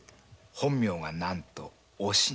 本名がなんとおしん！